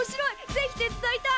ぜひ手伝いたい！